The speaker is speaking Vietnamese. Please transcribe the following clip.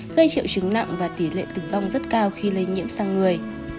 gây triệu chứng nặng và tỷ lệ tử vong rất cao khi lây nhiễm sang người